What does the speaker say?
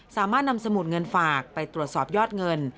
สามารถนำสมุดเงินฝากไปตรวจสอบยอดเงิน